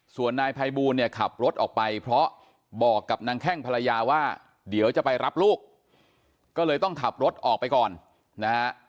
ส่วนนายภัยบูลเนี่ยขับรถออกไปเพราะบอกกับนางแข้งภรรยาว่าเดี๋ยวจะไปรับลูกก็เลยต้องขับรถออกไปก่อนนะฮะ